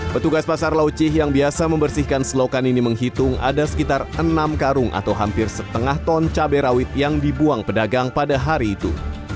petugas pasar lauchih yang biasa membersihkan selokan ini menghitung ada sekitar enam karung atau hampir setengah ton cabai rawit yang dibuang pedagang pada hari itu